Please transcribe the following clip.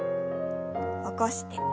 起こして。